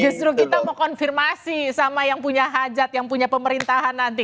justru kita mau konfirmasi sama yang punya hajat yang punya pemerintahan nanti